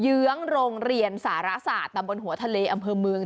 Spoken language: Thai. เยื้องโรงเรียนสารสาธารณ์ประหลังทะเลอัมเภอเมือง